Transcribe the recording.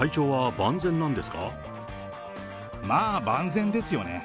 まあ、万全ですよね。